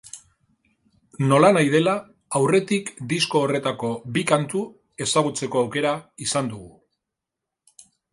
Nolanahi dela, aurretik disko horretako bi kantu ezagutzeko aukera izan dugu.